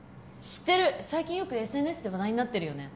知ってる最近よくＳＮＳで話題になってるよね